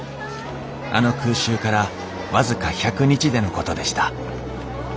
あの空襲から僅か１００日でのことでした。